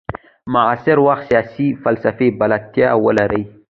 معاصر وخت سیاسي فلسفې بلدتیا ولري.